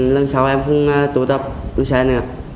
lần sau em không tụ tập xe nữa